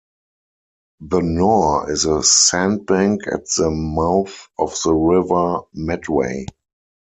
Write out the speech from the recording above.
The Nore is a sandbank at the mouth of the River Medway.